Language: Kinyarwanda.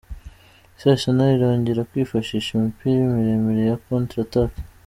Ese Arsenal irongera kwifashish imipira miremire ya Contre-attaque?.